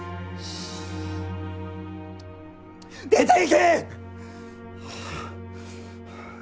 出ていけ！